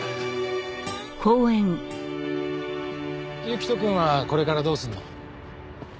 行人くんはこれからどうするの？